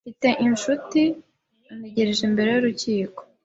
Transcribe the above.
Mfite inshuti antegereje imbere yububiko.